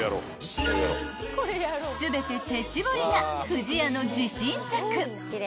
［全て手絞りな不二家の自信作］